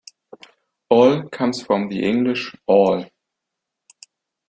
"Ol" comes from the English "all".